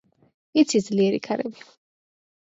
იცის ძლიერი ქარები.